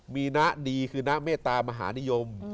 มีนะดีคือณเมตามหานิยม